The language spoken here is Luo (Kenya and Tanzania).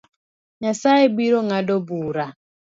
Nyasaye birongado bura